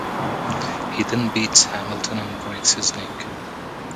He then beats Hamilton and breaks his neck.